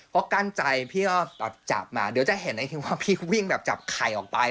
ก็กั้นใจพี่ก็จับมาเดี๋ยวจะเห็นอีกทีว่าพี่วิ่งแบบจับไข่ออกไป